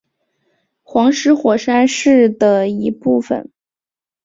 黄石火山是的一部分。